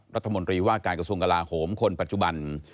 รัฐมนตรีว่าการกระทรวงกลาโหมคนปัจจุบัน